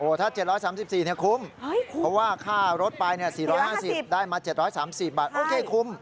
โอ้ถ้า๗๓๔เนี่ยคุ้มเพราะว่าค่ารถไปเนี่ย๔๕๐ได้มา๗๓๔บาทโอเคคุ้ม